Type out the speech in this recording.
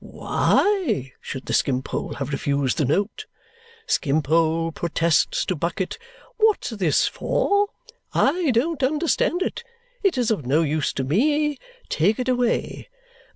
WHY should the Skimpole have refused the note? Skimpole protests to Bucket, 'What's this for? I don't understand it, it is of no use to me, take it away.'